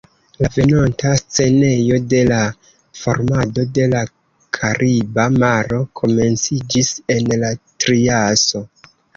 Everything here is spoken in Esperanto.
La venonta scenejo de la formado de la Kariba maro komenciĝis en la Triaso.